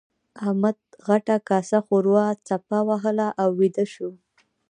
احمد غټه کاسه ښوروا څپه وهله او ويده شو.